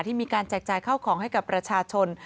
มีการแจกจ่ายเข้าของให้กับประชาชน